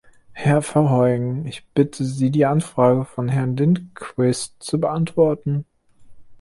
Herr Verheugen, ich bitte Sie, die Anfrage von Herrn Lindqvist zu beantworten.